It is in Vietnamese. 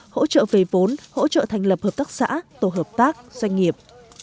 hỗ trợ về vốn hỗ trợ thành lập hợp tác xã tổ hợp tác doanh nghiệp